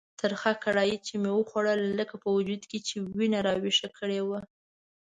ترخه کړایي چې مې وخوړله لکه په وجود کې یې وینه راویښه کړې وه.